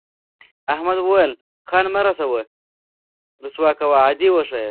احمد وویل خان مه رسوا کوه عادي وښیه.